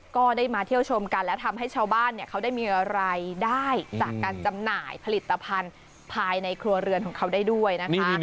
ก็ได้มาเที่ยวชมกันและทำให้ชาวบ้านเขาได้มีรายได้จากการจำหน่ายผลิตภัณฑ์ภายในครัวเรือนของเขาได้ด้วยนะคะ